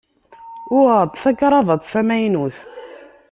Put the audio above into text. Uɣeɣ-d takravat tamaynut.